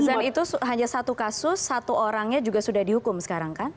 itu hanya satu kasus satu orangnya juga sudah dihukum sekarang kan